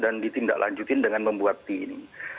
dan ditindaklanjuti dengan membuat tim